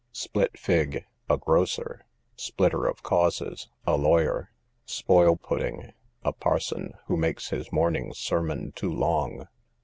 Split fig, a grocer. Splitter of causes, a lawyer. Spoil pudding, a parson who makes his morning sermon too long.